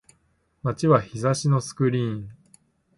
街は日差しのスクリーン